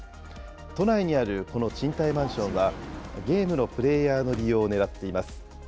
都内にあるこの賃貸マンションは、ゲームのプレーヤーの利用をねらっています。